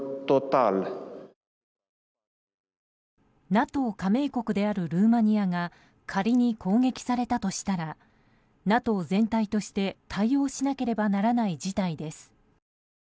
ＮＡＴＯ加盟国であるルーマニアが仮に攻撃されたとしたらＮＡＴＯ全体として対応しなければならない事態です。